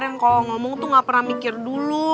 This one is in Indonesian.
yang kalau ngomong tuh gak pernah mikir dulu